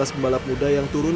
dua belas pembalap muda yang turun